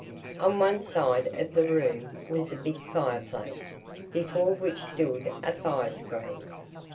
On one side of the room was a big fire place, before which stood a fire screen.